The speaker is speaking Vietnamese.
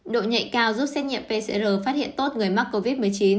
độ nhạy cao giúp xét nghiệm pcr phát hiện tốt người mắc covid một mươi chín